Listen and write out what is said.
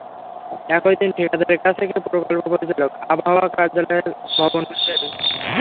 একই দিন ঠিকাদারের কাছ থেকে প্রকল্প পরিচালক আবহাওয়া কার্যালয়ের ভবন বুঝে নেন।